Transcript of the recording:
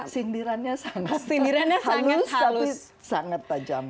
sindirannya sangat hangus tapi sangat tajam